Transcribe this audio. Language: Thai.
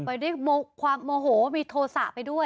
ไปด้วยความโมโหมีโทษะไปด้วย